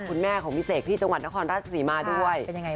คุณแม่ของพิเศษที่จังหวัดนครราชศรีมาท์ด้วย